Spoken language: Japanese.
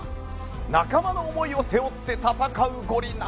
仲間の思いを背負って戦う五輪。